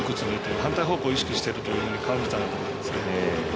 反対方向意識してると感じたんだと思います。